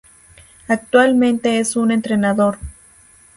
Actualmente es un entrenador.